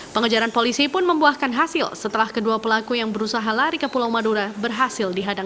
pengejaran polisi pun membuahkan hasil setelah kedua pelaku yang berusaha lari ke pulau madura berhasil dihadang